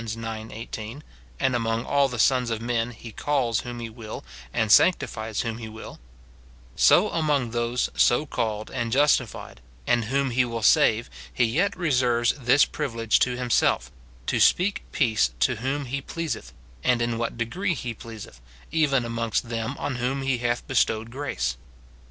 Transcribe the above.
ix. 18; and among all the sons of men, he calls whom he will, and sanctifies whom he will), so among those so called and justified, and whom he will save, he yet reserves this privilege to himself, to speak peace to whom he pleaseth, and in what degree he pleaseth, even amongst them on whom he hath bestowed grace.